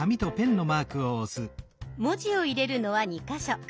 文字を入れるのは２か所。